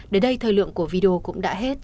để đây thời lượng của video cũng đã hết